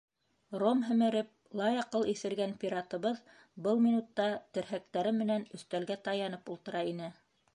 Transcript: Ром һемереп, лаяҡыл иҫергән пиратыбыҙ был минутта терһәктәре менән өҫтәлгә таянып ултыра ине.